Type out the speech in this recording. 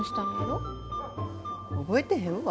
覚えてへんわ。